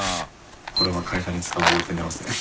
これは会社で使うボールペンになりますね。